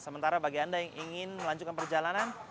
sementara bagi anda yang ingin melanjutkan perjalanan